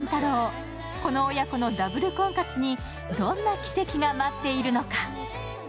果たして杏花と林太郎、この親子のダブル婚活にどんな奇跡が待っているのか。